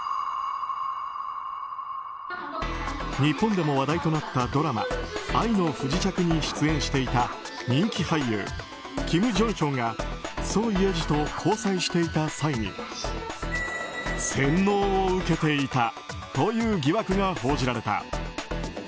日本でも話題となったドラマ「愛の不時着」に出演していた人気俳優、キム・ジョンヒョンがソ・イェジと交際していた際に洗脳を受けていたという疑惑が報じられた。